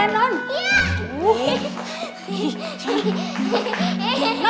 aku rada sibuk sebenernya